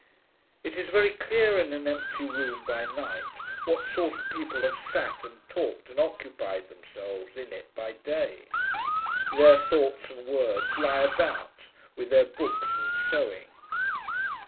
It is very clear in an empty room by night what sort of people have sat and talked and occupied themselves in it by day. Their thoughts and words lie about, with their books and sewing.